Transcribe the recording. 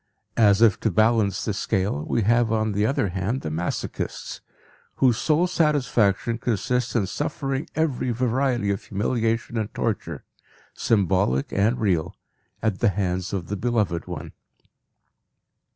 As if to balance the scale, we have on the other hand the masochists, whose sole satisfaction consists in suffering every variety of humiliation and torture, symbolic and real, at the hands of the beloved one.